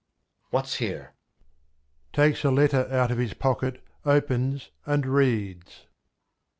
What's here ? \Takes a Letter out of his Pocket ; opens, and reads.